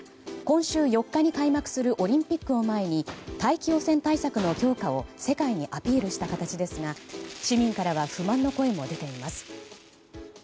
今週４日に開幕するオリンピックを前に大気汚染対策の強化を世界にアピールした形ですが市民からは不満の声も出ています。